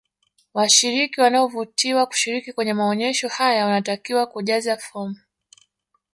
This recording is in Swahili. washiriki wanaovutiwa kushiriki kwenye maonyesho haya wanatakiwa kujaze fomu